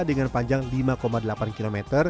dengan panjang lima delapan km